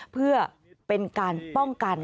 เพื่อเป็นการป้องกัน